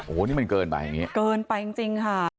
โอ้โหนี่มันเกินไปอย่างนี้เกินไปจริงค่ะ